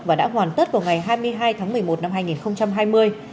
và đã hoàn tất vào ngày hai mươi hai tháng một mươi một năm hai nghìn hai mươi